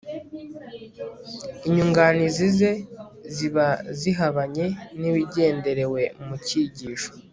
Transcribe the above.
inyunganizi ze ziba zihabanye n'ibigenderewe mu cyigisho